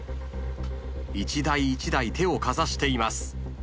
１台１台手をかざしています。